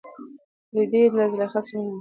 رېدی له زلیخا سره مینه لري.